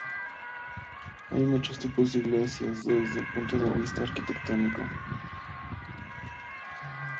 Hay muchos tipos de iglesias, desde el punto de vista arquitectónico.